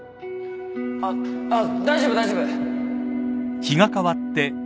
あっあっ大丈夫大丈夫